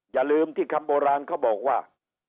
อย่าลืมที่คำโบราณเขาบอกว่า